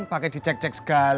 pakai dicek cek segalanya